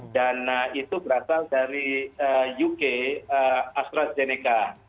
dan itu berasal dari uk astrazeneca